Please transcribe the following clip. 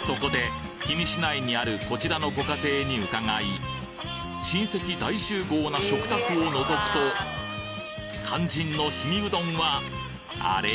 そこで氷見市内にあるこちらのご家庭に伺い親戚大集合な食卓を覗くと肝心の氷見うどんはあれ？